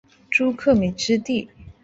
朱克敏之弟。